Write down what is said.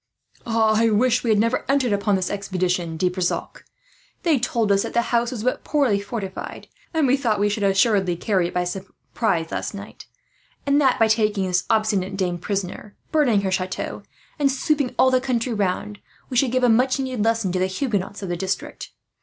"I would we had never entered upon this expedition, De Brissac. They told us that the house was but poorly fortified, and we thought we should assuredly carry it last night by surprise; and that by taking this obstinate dame prisoner, burning her chateau, and sweeping all the country round, we should give a much needed lesson to the Huguenots of the district.